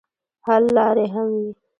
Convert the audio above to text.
حل لارې هم وي.